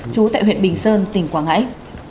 chú tại huyện bình sơn tỉnh quảng ngãi